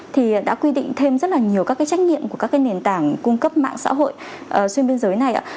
thì đã quy định thêm rất là nhiều các cái trách nhiệm của các cái nền tảng cung cấp mạng xã hội xuyên biên giới này ạ